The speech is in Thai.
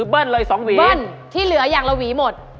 เบิ้ลที่เหลืออย่างละหวีหมด